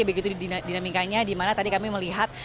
begitu dinamikanya di mana tadi kami melihat